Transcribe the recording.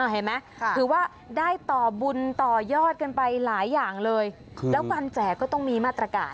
เห็นไหมถือว่าได้ต่อบุญต่อยอดกันไปหลายอย่างเลยแล้วการแจกก็ต้องมีมาตรการ